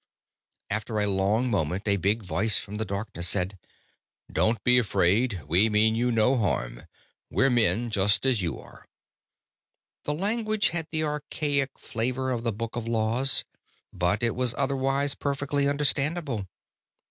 After a long moment, a big voice from the darkness said: "Don't be afraid. We mean you no harm. We're men, just as you are." The language had the archaic flavor of the Book of Laws, but it was otherwise perfectly understandable.